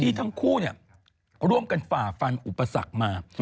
ทั้งคู่ร่วมกันฝ่าฟันอุปสรรคมา